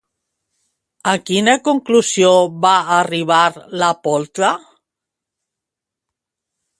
A quina conclusió va arribar la poltra?